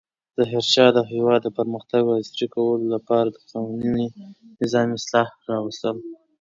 ظاهرشاه د هېواد د پرمختګ او عصري کولو لپاره د قانوني نظام اصلاحات راوستل.